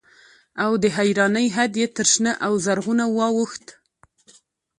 او د حيرانۍ حد يې تر شنه او زرغونه واوښت.